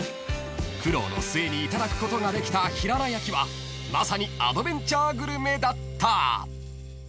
［苦労の末にいただくことができたひらら焼きはまさにアドベンチャーグルメだった］